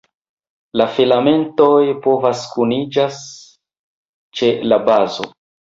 La filamentoj povas kuniĝas ĉe la bazo.